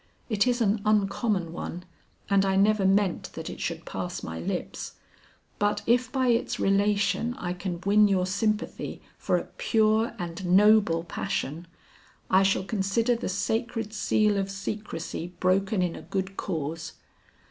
It is an uncommon one and I never meant that it should pass my lips, but if by its relation I can win your sympathy for a pure and noble passion, I shall consider the sacred seal of secrecy broken in a good cause.